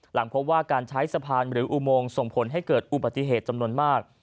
หลังพบว่าการใช้สะพานหรืออุโมงส่งผลให้เกิดอุบัติเหตุจำนวนมาก